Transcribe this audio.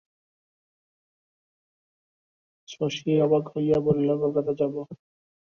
শশী অবাক হইয়া বলিল, কলকাতা যাবে?